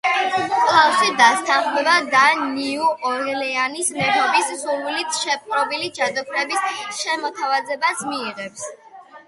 კლაუსი დასთანხმდება და ნიუ ორლეანის მეფობის სურვილით შეპყრობილი, ჯადოქრების შემოთავაზებას მიიღებს.